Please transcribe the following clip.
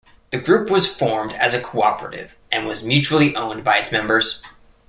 The group was formed as a cooperative and was mutually owned by its members.